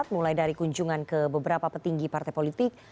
mulai dari kunjungan ke beberapa petinggi partai politik